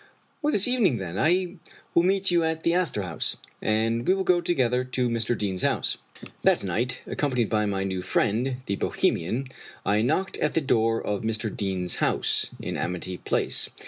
" This evening, then, I will meet you at the Astor House, and we will go together to Mr. Deane's house." That night, accompanied by my new friend, the Bo 36 Fitz James O^Brien hemian, I knocked at the door of Mr. Deane's house, in Amity Place.